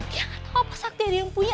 dia enggak tau apa sakti yang dia punya